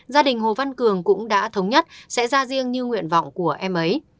gia đình hồ văn cường cũng đã thống nhất sẽ ra riêng như nguyện vọng của em ấy